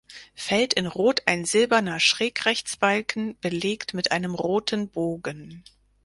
Feld in Rot ein silberner Schrägrechtsbalken, belegt mit einem roten Bogen.